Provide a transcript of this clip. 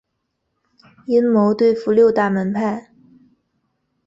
阴谋对付六大门派。